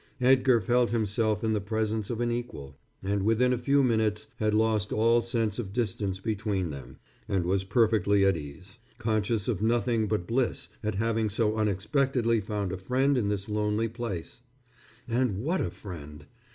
Edgar felt himself in the presence of an equal, and within a few minutes had lost all sense of distance between them, and was perfectly at ease, conscious of nothing but bliss at having so unexpectedly found a friend in this lonely place. And what a friend!